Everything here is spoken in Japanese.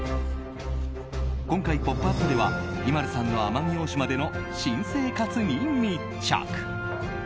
今回「ポップＵＰ！」ではＩＭＡＬＵさんの奄美大島での新生活に密着。